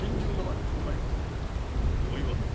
大岩！